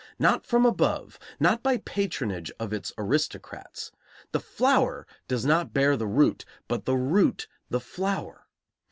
Not from above; not by patronage of its aristocrats. The flower does not bear the root, but the root the flower.